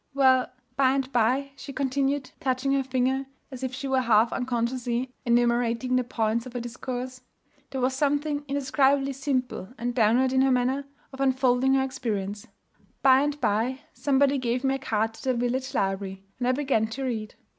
'Well, by and by,' she continued, touching her finger as if she were half unconsciously enumerating the points of a discourse, there was something indescribably simple and downright in her manner of unfolding her experience, 'by and by, somebody gave me a card to the village library, and I began to read.